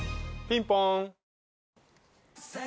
ピンポン。